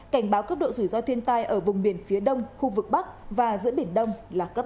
cảnh báo cấp độ rủi ro thiên tai ở vùng biển phía đông khu vực bắc và giữa biển đông là cấp ba